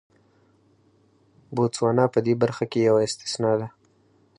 بوتسوانا په دې برخه کې یوه استثنا ده.